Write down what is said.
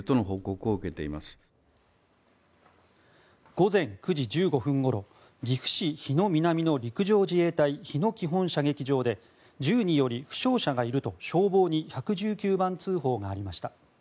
午前９時１５分ごろ岐阜市日野南の陸上自衛隊日野基本射撃場で銃により負傷者がいると消防に１１９番通報がありました。